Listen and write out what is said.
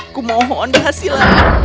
aku mohon berhasil